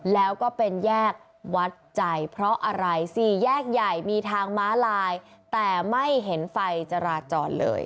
แล้วก็เป็นแยกวัดใจเพราะอะไรสี่แยกใหญ่มีทางม้าลายแต่ไม่เห็นไฟจราจรเลย